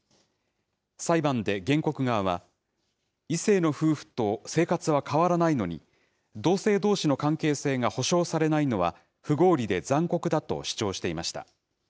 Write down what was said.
裁判で原告側は、異性の夫婦と生活は変わらないのに、同性どうしの関係性が保障されないのは、不合理で残酷だと主張していました。